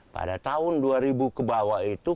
pada tahun dua ribu kebawah itu